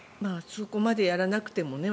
そこまでやらなくてもね。